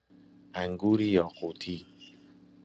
انگور یاقوتی